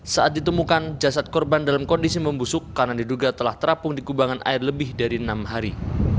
saat ditemukan jasad korban dalam kondisi membusuk karena diduga telah terapung di kubangan air lebih dari enam hari